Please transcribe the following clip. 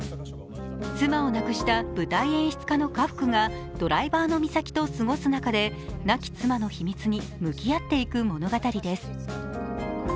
妻を亡くした舞台演出家の家福がドライバーのみさきと過ごす中で亡き妻の秘密に向き合っていく物語です。